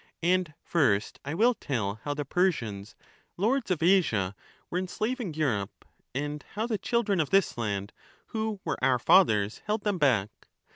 And first I will tell how the Persians, lords of Asia, were enslaving Europe, and how the children of this land, who were our fathers, held them back.